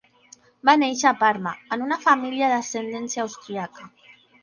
Va néixer a Parma, en una família d'ascendència austríaca.